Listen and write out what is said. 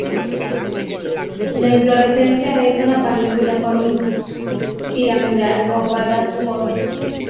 La inflorescencia es una panícula con un piramidal o ovadas forma.